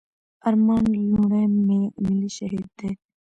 ارمان لوڼي ملي شهيد دی.